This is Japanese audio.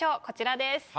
こちらです。